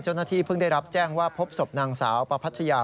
เจ้าหน้าที่เพิ่งได้รับแจ้งว่าพบศพนางสาวประพัชยา